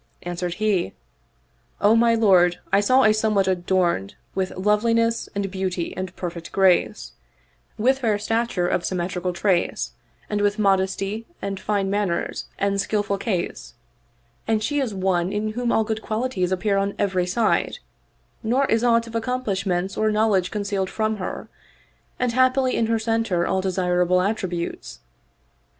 An swered he, " O my lord, I saw a somewhat adorned with loveliness and beauty and perfect grace, with fair stature of symmetrical trace and with modesty and fine manners and skillful case ; and she is one in whom all good qualities appear on every side, nor is aught of accomplishments or knowledge concealed from her, and haply in her center all desirable attributes.